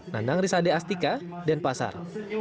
nandang risa deastika denpasar